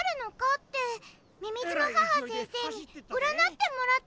ってみみずの母先生にうらなってもらってたの。